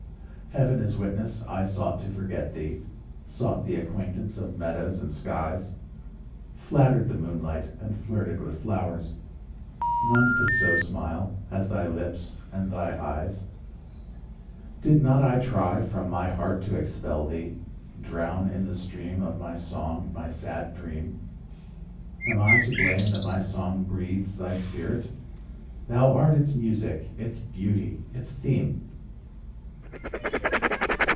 Heaven is witness I sought to forget thee, Sought the acquaintance of meadows and skies; Flattered the moonlight and flirted with flowers— None could so smile as thy lips and thy eyes. Did not I try from my heart to expel thee, Drown in the stream of my song my sad dream? Am I to blame that my song breathes thy spirit— Thou art its music, its beauty, its theme!